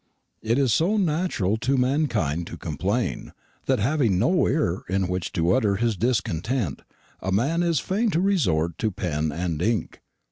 It is so natural to mankind to complain, that, having no ear in which to utter his discontent, a man is fain to resort to pen and ink.